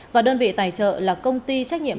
và đơn vị tài trợ là công ty trách nhiệm